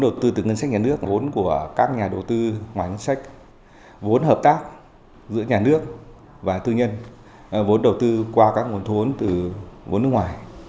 đầu tư từ ngân sách nhà nước vốn của các nhà đầu tư ngoài ngân sách vốn hợp tác giữa nhà nước và tư nhân vốn đầu tư qua các nguồn thun từ vốn nước ngoài